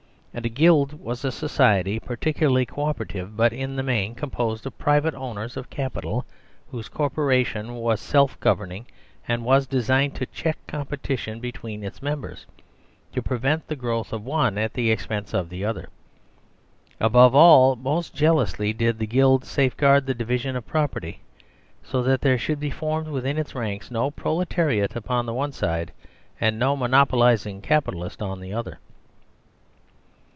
And a Guild was asociety part ly co operative, but in the main composed of private owners of capital whose corporation was self govern ing, and was designed to check competition between its members : to prevent the growth of one at the ex pense of the other. Above all, most jealously did the Guild safeguard the division of property, so that there should be formed within its ranks no proletariat upon the one side, and no monopolising capitalist upon the other.